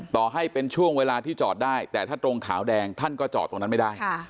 ต่อให้เป็นช่วงเวลาที่จอดได้แต่ถ้าตรงขาวแดงท่านก็จอดตรงนั้นไม่ได้